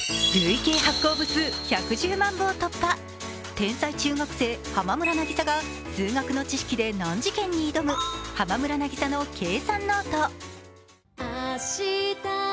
天才中学生・浜村渚が数学の知識で難事件に挑む、「浜村渚の計算ノート」。